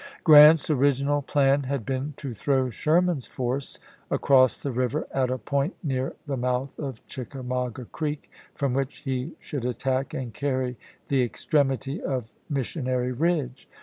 ^pfsT"" Grant's original plan had been to throw Sher man's force across the river at a point near the mouth of Chickamauga Creek, from which he should attack and carry the extremity of Mis sionary Eidge.